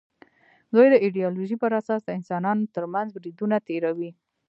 دوی د ایدیالوژۍ پر اساس د انسانانو تر منځ بریدونه تېروي